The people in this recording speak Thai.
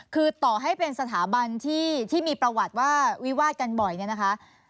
คือต่อให้เป็นสถาบันที่มีประวัติว่าวิวาดกันบ่อยเนี่ยนะคะ